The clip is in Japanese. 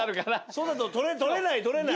そのあと取れない取れない。